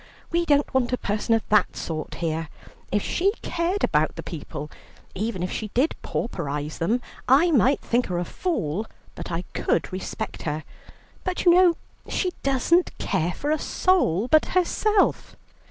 We don't want a person of that sort here. If she cared about the people, even if she did pauperize them, I might think her a fool, but I could respect her; but you know she doesn't care for a soul but herself."